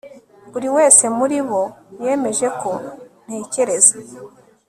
buri wese muri bo yemeje ko ntekereza